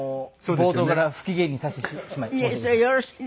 冒頭から不機嫌にさせてしまい。